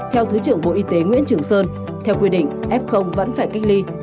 theo thứ trưởng bộ y tế nguyễn trường sơn theo quy định f vẫn phải cách ly